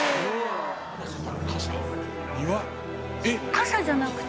傘じゃなくて？